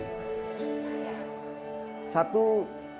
satu impian saya sebenarnya bahwa istana ya dalam hal ini presidennya